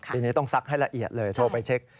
ปีนี้ต้องซักให้ละเอียดเลยโทรไปเช็ค